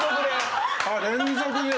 連続で。